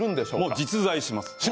実在します。